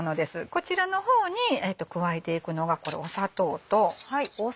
こちらの方に加えていくのがこれ砂糖と。